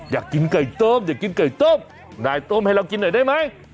อยากกินไก่ต้มอยากกินไก่ต้มนายต้มให้เรากินหน่อยได้ไหม